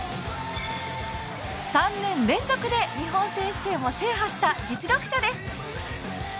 ３年連続で日本選手権を制覇した実力者です。